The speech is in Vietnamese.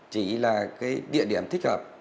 chỉ là địa điểm thích hợp